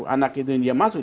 anak itu dia masuk